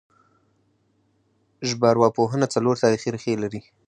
ژبارواپوهنه څلور تاریخي ریښې لري